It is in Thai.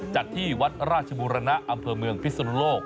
จัดที่วัดราชบุรณะอำเภอเมืองพิศนุโลก